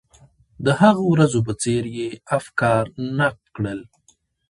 د هغو ورځو په څېر یې افکار نقد کړل.